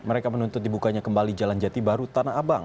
mereka menuntut dibukanya kembali jalan jati baru tanah abang